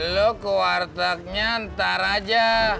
lo ke wartegnya ntar aja